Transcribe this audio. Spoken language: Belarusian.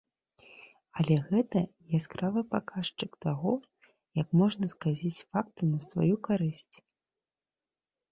Але гэта яскравы паказчык таго, як можна сказіць факты на сваю карысць.